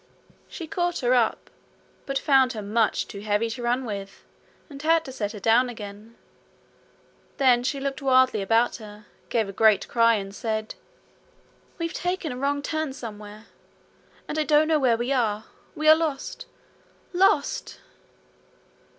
She caught her up; but found her much too heavy to run with, and had to set her down again. Then she looked wildly about her, gave a great cry, and said: 'We've taken the wrong turning somewhere, and I don't know where we are. We are lost, lost!'